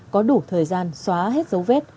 có đủ thời gian xóa hết dấu vết